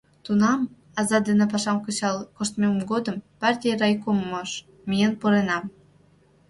Тунам, аза дене пашам кычал коштмем годым, партий райкомыш миен пуренам.